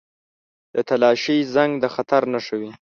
• د تالاشۍ زنګ د خطر نښه وي.